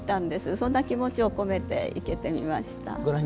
そんな気持ちを込めて生けてみました。